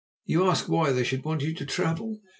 You ask why they should want you to travel?